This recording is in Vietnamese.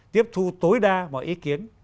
tiếp thu tối đa mọi ý kiến